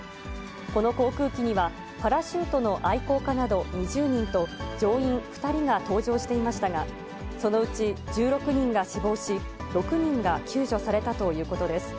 この航空機には、パラシュートの愛好家など２０人と、乗員２人が搭乗していましたが、そのうち１６人が死亡し、６人が救助されたということです。